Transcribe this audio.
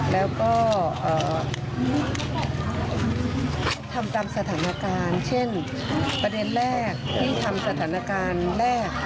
แล้วก็ทำตามสถานการณ์เช่นประเด็นแรกที่ทำสถานการณ์แรก